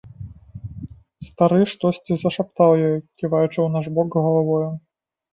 Стары штосьці зашаптаў ёй, ківаючы ў наш бок галавою.